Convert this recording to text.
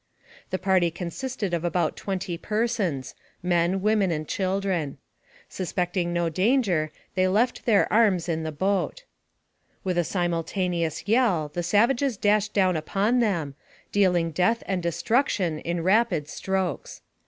The party consisted of about twenty persons, men, women, and children. Suspecting no danger, they left their arms in the boat. With a simultaneous yell, the savages dashed down AMONG THE SIOUX INDIANS. 165 upon them, dealing death and destruction in rapid strokes.